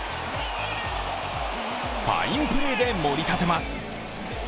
ファインプレーで盛り立てます。